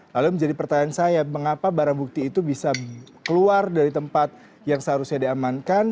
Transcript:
lalu menjadi pertanyaan saya mengapa barang bukti itu bisa keluar dari tempat yang seharusnya diamankan